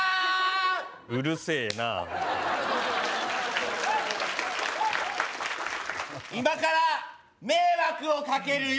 うるせえな今から迷惑をかけるよ！